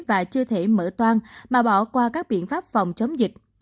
và chưa thể mở toan mà bỏ qua các biện pháp phòng chống dịch